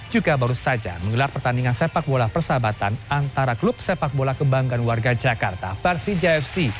juga baru saja menggelar pertandingan sepak bola persahabatan antara klub sepak bola kebanggaan warga jakarta persija fc